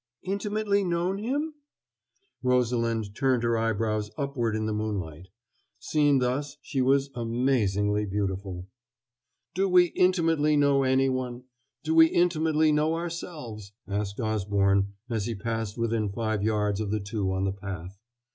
"Intimately known him?" Rosalind turned her eyebrows upward in the moonlight. Seen thus, she was amazingly beautiful. "Do we intimately know anyone? Do we intimately know ourselves?" asked Osborne as he passed within five yards of the two on the path.